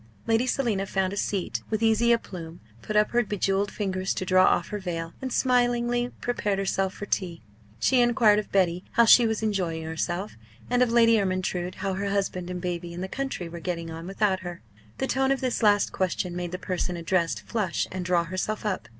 Lady Selina found a seat with easy aplomb, put up her bejewelled fingers to draw off her veil, and smilingly prepared herself for tea. She enquired of Betty how she was enjoying herself, and of Lady Ermyntrude how her husband and baby in the country were getting on without her. The tone of this last question made the person addressed flush and draw herself up.